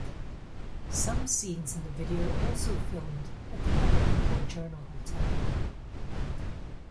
Some scenes in the video also filmed at The Kuala Lumpur Journal hotel.